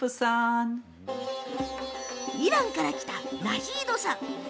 イランから来たナヒードさん。